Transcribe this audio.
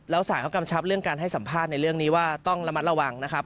แล้วสารเขากำชับเรื่องการให้สัมภาษณ์ในเรื่องนี้ว่าต้องระมัดระวังนะครับ